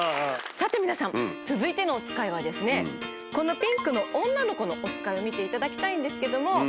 さて皆さん続いてのおつかいはですねこのピンクの女の子のおつかいを見ていただきたいんですけども。